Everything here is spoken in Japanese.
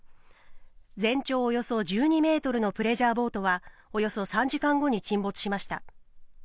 全長およそ１２ｍのプレジャーボートはおよそ３時間後に沈没しました。